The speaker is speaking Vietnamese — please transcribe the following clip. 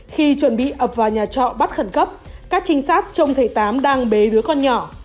khi chuẩn bị ập vào nhà trọ bắt khẩn cấp các trinh sát trông thấy tám đang bế đứa con nhỏ